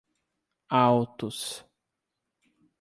Altos